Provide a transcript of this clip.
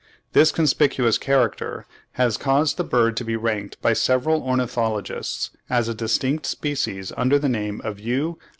This conspicuous character has caused the bird to be ranked by several ornithologists as a distinct species under the name of U.